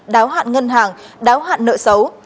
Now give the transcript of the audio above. đáo hạn ngân hàng đáo hạn nợ xấu